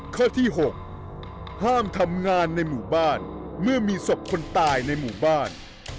ข้อที่๖ห้ามทำงานในหมู่บ้านเมื่อมีศพคนตายในหมู่บ้าน